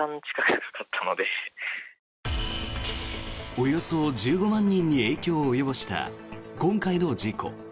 およそ１５万人に影響を及ぼした今回の事故。